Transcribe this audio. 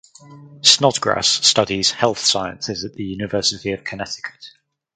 Snodgrass studies health sciences at the University of Connecticut.